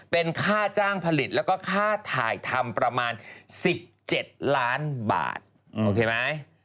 เป็นค่าจ้างผลิตแล้วก็ค่าถ่ายทำประมาณ๑๗ล้านบาทโอเคไหม